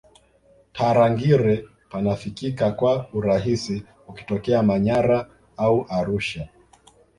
tarangire panafikika kwa urahisi ukitokea manyara au arusha